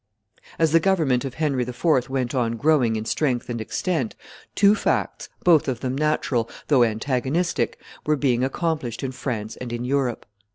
As the government of Henry IV. went on growing in strength and extent, two facts, both of them natural, though antagonistic, were being accomplished in France and in Europe.